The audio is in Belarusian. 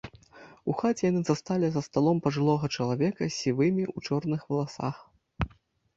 У хаце яны засталі за сталом пажылога чалавека з сівымі ў чорных валасах.